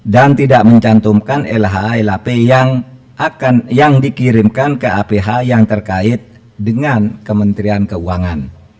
tidak mencantumkan lha lhp yang dikirimkan ke aph yang terkait dengan kementerian keuangan